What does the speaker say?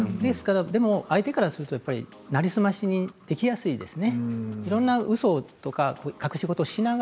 相手からするとなりすましやすいですね。